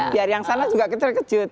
biar yang sana juga terkejut